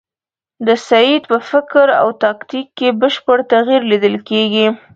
د سید په فکر او تاکتیک کې بشپړ تغییر لیدل کېږي.